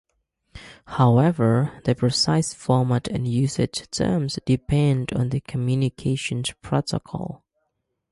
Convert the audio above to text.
However, their precise format and usage terms depend on the communication protocol.